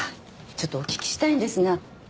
ちょっとお聞きしたいんですが。